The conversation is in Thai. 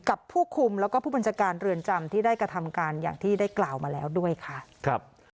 กับผู้คุมแล้วก็ผู้บัญชาการเรือนจำที่ได้กระทำการอย่างที่ได้กล่าวมาแล้วด้วยค่ะครับ